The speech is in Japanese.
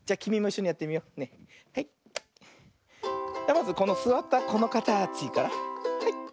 まずこのすわったこのかたちからはい。